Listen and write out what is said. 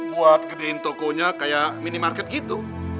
buat gedein tokonya kayak minimarket gitu